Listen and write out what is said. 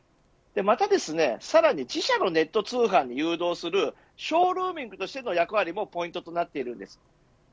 またさらに自社のネット通販に誘導するショールーミングとしての役割もポイントとなっています。